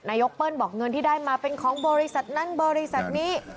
นายกเปิ้ลบอกเงินที่ได้มาเป็นของบริษัทนั้นบริษัทนี้